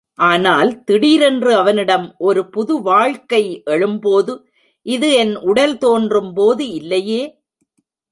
ஆனால் திடீரென்று அவனிடம் ஒரு புது வாழ்க்கை எழும்போது, இது என் உடல் தோன்றும்போது இல்லையே!